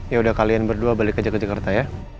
yaudah kalian berdua balik aja ke jakarta ya